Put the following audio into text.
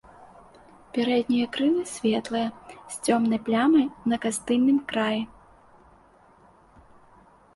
Пярэднія крылы светлыя, з цёмнай плямай на кастыльным краі.